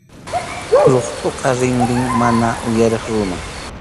Ruqtʼuqa rinrin mana uyariq runam.